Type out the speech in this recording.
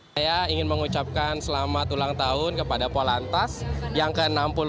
saya ingin mengucapkan selamat ulang tahun kepada polantas yang ke enam puluh lima